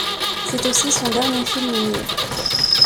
C'est aussi son dernier film muet.